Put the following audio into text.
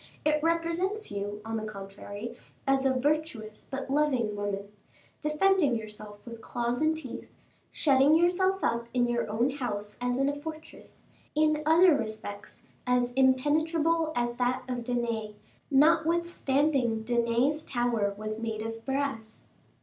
It represents you, on the contrary, as a virtuous but loving woman, defending yourself with claws and teeth, shutting yourself up in your own house as in a fortress; in other respects, as impenetrable as that of Danae, notwithstanding Danae's tower was made of brass."